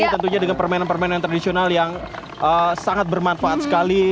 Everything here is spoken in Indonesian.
tentunya dengan permainan permainan tradisional yang sangat bermanfaat sekali